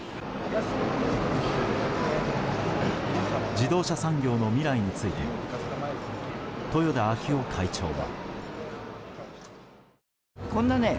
自動車産業の未来について豊田章男会長は。